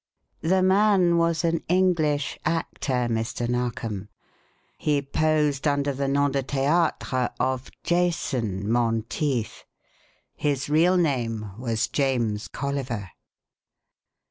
The man was an English actor, Mr. Narkom. He posed under the nom de théâtre of Jason Monteith his real name was James Colliver!